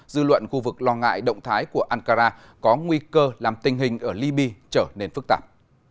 dư luận khu vực lo ngại động thái của ankara có nguy cơ làm tình hình ở libya trở nên phức tạp